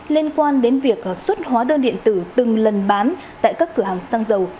liên quan đến việc xuất hóa đơn điện tử từng lần bán tại các cửa hàng xăng dầu